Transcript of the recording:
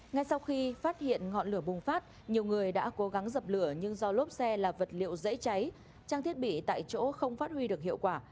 ngay sau khi phát hiện ngọn lửa bùng phát nhiều người đã cố gắng dập lửa nhưng do lốp xe là vật liệu dễ cháy trang thiết bị tại chỗ không phát huy được hiệu quả